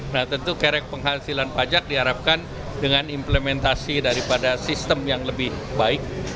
nah tentu kerek penghasilan pajak diharapkan dengan implementasi daripada sistem yang lebih baik